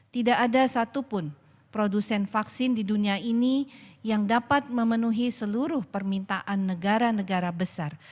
tidak ada satupun produsen vaksin di dunia ini yang dapat memenuhi seluruh permintaan negara negara besar